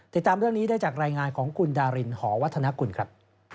ติดตามเรื่องนี้ได้จากรายงานของคุณดารินหอวัฒนกุลครับ